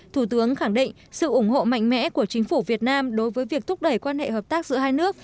thủ tướng khẳng định sự ủng hộ mạnh mẽ của chính phủ việt nam đối với việc thúc đẩy quan hệ hợp tác giữa hai nước